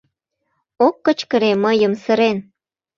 Ок кычкыре мыйым сырен.